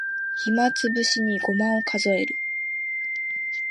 暇つぶしにごまを数える